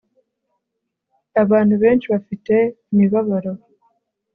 Abantu benshi bafite imibabaro